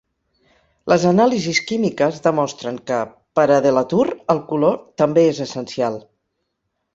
Les anàlisis químiques demostren que, per a De La Tour, el color també és essencial.